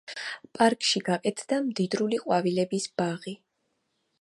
პარკში გაკეთდა მდიდრული ყვავილების ბაღი.